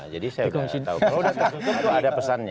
jadi saya tahu kalau sudah tertutup itu ada pesannya